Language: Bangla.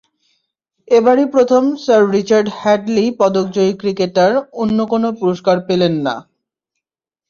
এবারই প্রথম স্যার রিচার্ড হ্যাডলি পদকজয়ী ক্রিকেটার অন্য কোনো পুরস্কার পেলেন না।